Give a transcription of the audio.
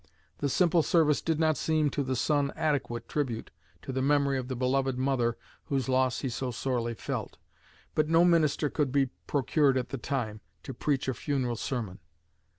The simple service did not seem to the son adequate tribute to the memory of the beloved mother whose loss he so sorely felt, but no minister could be procured at the time to preach a funeral sermon.